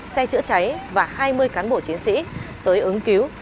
xe chữa cháy và hai mươi cán bộ chiến sĩ tới ứng cứu